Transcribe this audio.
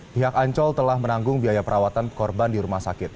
pihak ancol telah menanggung biaya perawatan korban di rumah sakit